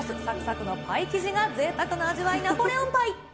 さくさくのパイ生地がぜいたくな味わい、ナポレオンパイ。